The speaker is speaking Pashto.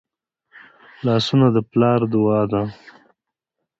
لاسونه د پلار دعا ده